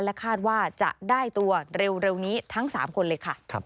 คาดว่าจะได้ตัวเร็วนี้ทั้ง๓คนเลยค่ะ